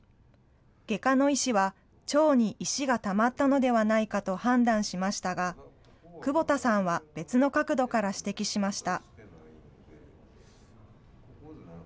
外科の医師は、腸に石がたまったのではないかと判断しましたが、窪田さんは別の角度から指摘しました。